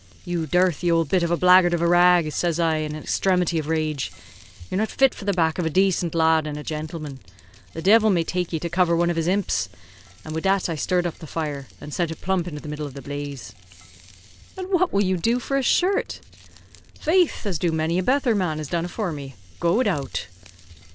'You dirthy owld bit of a blackguard of a rag,' says I, in an exthremity of rage, 'You're not fit for the back of a dacent lad an' a jintleman. The divil may take ye to cover one of his imps;' an' wid that I sthirred up the fire, and sent it plump into the middle of the blaze." "And what will you do for a shirt?" "Faith, do as many a betther man has done afore me, go widout."